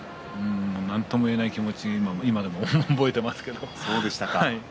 なんとも言えない気持ちで今でも覚えています。